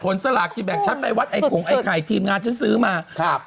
สลากกินแบ่งฉันไปวัดไอ้ขงไอ้ไข่ทีมงานฉันซื้อมาครับ